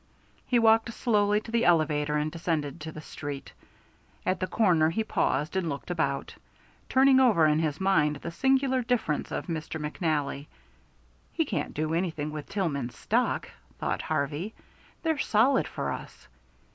He walked slowly to the elevator and descended to the street. At the corner he paused and looked about, turning over in his mind the singular disappearance of Mr. McNally. "He can't do anything with Tillman's stock," thought Harvey. "They're solid for us."